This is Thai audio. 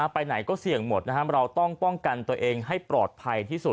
ไปไหนก็เสี่ยงหมดนะครับเราต้องป้องกันตัวเองให้ปลอดภัยที่สุด